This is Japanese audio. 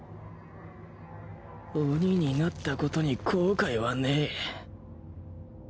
鬼になったことに後悔はねえ